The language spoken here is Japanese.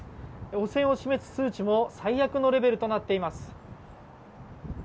汚染を示す数値も最悪のレベルとなっています。